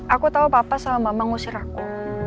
aku tahu papa sama mama ngusir aku